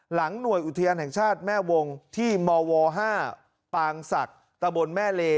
หน่วยอุทยานแห่งชาติแม่วงที่มว๕ปางศักดิ์ตะบนแม่เล